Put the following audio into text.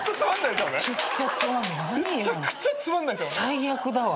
最悪だわ。